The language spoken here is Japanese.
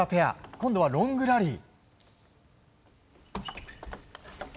今度はロングラリー。